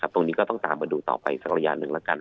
ตรงนี้ก็ต้องตามมาดูต่อไปสักระยะหนึ่งแล้วกัน